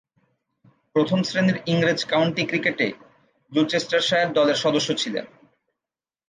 প্রথম-শ্রেণীর ইংরেজ কাউন্টি ক্রিকেটে গ্লুচেস্টারশায়ার দলের সদস্য ছিলেন।